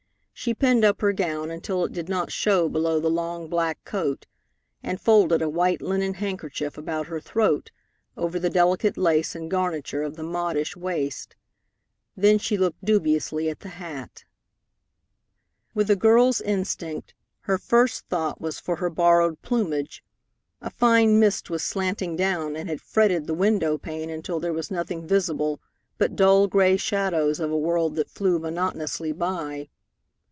She pinned up her gown until it did not show below the long black coat, and folded a white linen handkerchief about her throat over the delicate lace and garniture of the modish waist. Then she looked dubiously at the hat. With a girl's instinct, her first thought was for her borrowed plumage. A fine mist was slanting down and had fretted the window pane until there was nothing visible but dull gray shadows of a world that flew monotonously by.